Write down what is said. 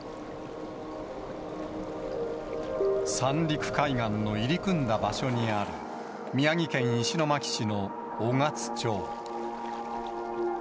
三陸海岸の入り組んだ場所にある宮城県石巻市の雄勝町。